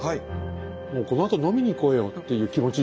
もうこのあと飲みに行こうよっていう気持ちになる。